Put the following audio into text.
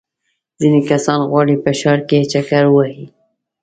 ځینې کسان غواړي په ښار کې چکر ووهي.